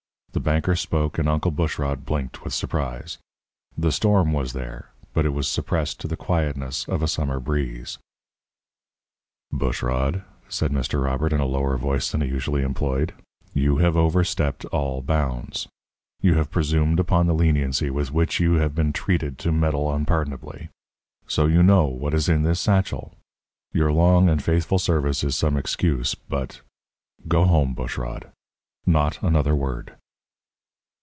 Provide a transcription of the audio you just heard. The banker spoke, and Uncle Bushrod blinked with surprise. The storm was there, but it was suppressed to the quietness of a summer breeze. "Bushrod," said Mr. Robert, in a lower voice than he usually employed, "you have overstepped all bounds. You have presumed upon the leniency with which you have been treated to meddle unpardonably. So you know what is in this satchel! Your long and faithful service is some excuse, but go home, Bushrod not another word!"